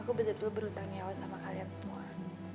aku benar benar berhutang nyawa sama kalian semua